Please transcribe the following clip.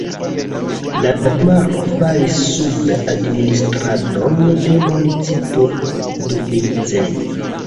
La domaro falis sub administradon de municipo Doubice.